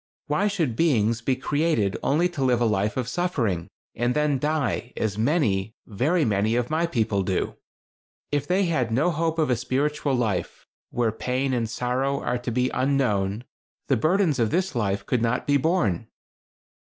Why should beings be created only to live a life of suffering, and then die, as many, very many, of my people do? If they had no hope of a spiritual life, where pain and sorrow are to be unknown, the burdens of this life could not be borne."